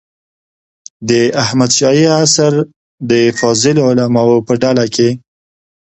د احمد شاهي عصر د فاضلو علماوو په ډله کې.